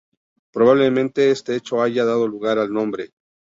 Probablemente este hecho haya dado lugar al nombre.